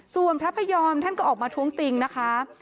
ส่วนพระพยอมท่านก็ออกมาท้วงติงนะคะ